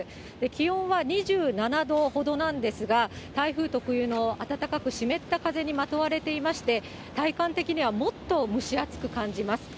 気温は２７度ほどなんですが、台風特有の暖かく湿った風にまとわれていまして、体感的にはもっと蒸し暑く感じます。